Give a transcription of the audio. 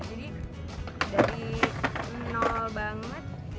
jadi dari nol banget